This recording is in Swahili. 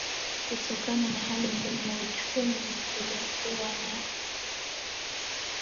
kutokana na hali ngumu ya uchumi tulikuwa na